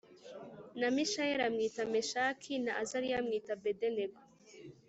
na Mishayeli amwita Meshaki, na Azariya amwita Abedenego